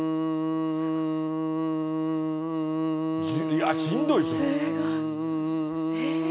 いや、しんどいですよ。